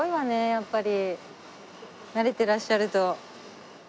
やっぱり慣れてらっしゃると。